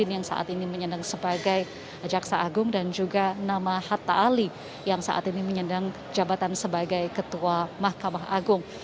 yang saat ini menyandang sebagai jaksa agung dan juga nama hatta ali yang saat ini menyandang jabatan sebagai ketua mahkamah agung